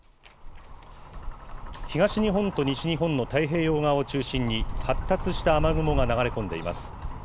東日本と西日本の太平洋側を中心に、発達した雨雲が流れ込んでいます。